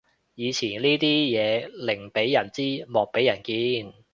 以前呢啲嘢寧俾人知莫俾人見